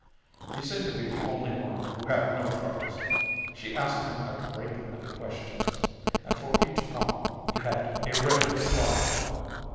He seemed to be the only one who had no troubles. She asked him a great many questions, and for each one he had a ready reply.